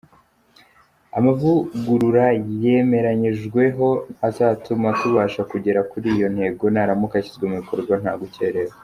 Amavugurura yemeranyijweho azatuma tubasha kugera kuri iyo ntego naramuka ashyizwe mu bikorwa nta gukererwa.